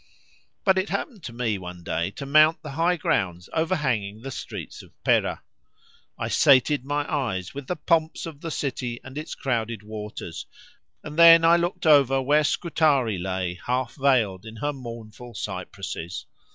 But it happened to me one day to mount the high grounds overhanging the streets of Pera. I sated my eyes with the pomps of the city and its crowded waters, and then I looked over where Scutari lay half veiled in her mournful cypresses.